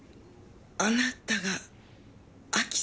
あなたがアキさん？